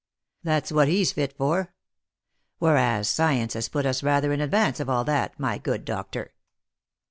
That's what he's fit for; whereas science has put us rather in advance of all that, my good doctor.